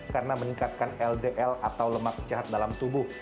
karena meningkatkan ldl atau lemak jahat dalam tubuh